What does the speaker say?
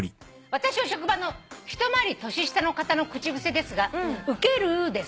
私の職場の一回り年下の方の口癖ですが『ウケる』です」